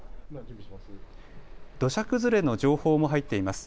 土砂崩れの情報も入っています。